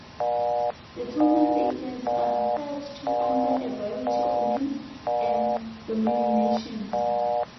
The tonal accents are referred to under a variety of names and denominations.